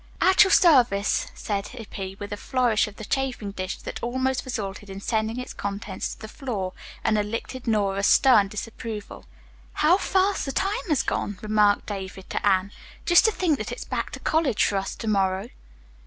"At your service," said Hippy, with a flourish of the chafing dish that almost resulted in sending its contents to the floor, and elicited Nora's stern disapproval. "How fast the time has gone," remarked David to Anne. "Just to think that it's back to the college for us to morrow."